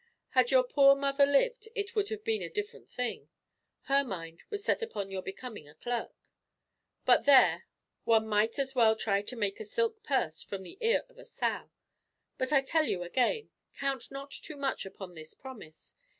Had your poor mother lived, it would have been a different thing. Her mind was set upon your becoming a clerk; but there, one might as well try to make a silk purse from the ear of a sow. But I tell you again, count not too much upon this promise.